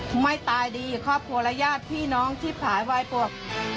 ผมไม่ตายดีครับประโยชน์พี่น้องทีผายวายปวด